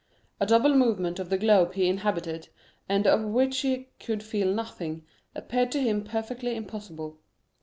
A double movement of the globe he inhabited, and of which he could feel nothing, appeared to him perfectly impossible.